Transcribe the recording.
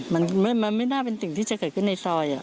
มันไม่น่าเป็นสิ่งที่จะเกิดขึ้นในซอย